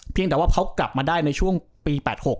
แต่ว่าเขากลับมาได้ในช่วงปี๘๖